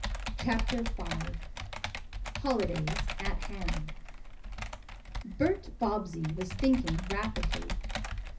CHAPTER V HOLIDAYS AT HAND Bert Bobbsey was thinking rapidly.